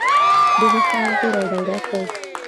They were signed to Red Eye Records.